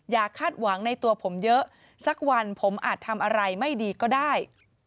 คาดหวังในตัวผมเยอะสักวันผมอาจทำอะไรไม่ดีก็ได้